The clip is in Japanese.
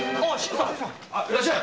いらっしゃい。